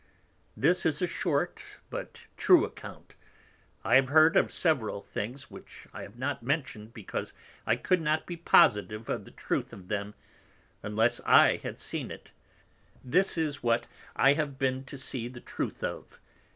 This is a short, but true Account. I have heard of several other things which I have not mentioned, because I could not be positive in the truth of them, unless I had seen it. This is what I have been to see the truth of.